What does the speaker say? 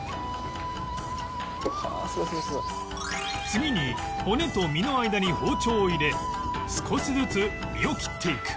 次に骨と身の間に包丁を入れ少しずつ身を切っていく